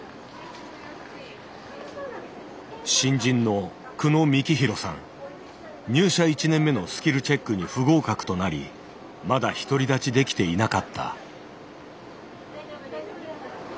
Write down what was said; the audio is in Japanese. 新人の入社１年目のスキルチェックに不合格となりまだ独り立ちできていなかった。